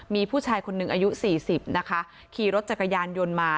มีผู้ชายคนหนึ่งอายุ๔๐นะคะขี่รถจักรยานยนต์มา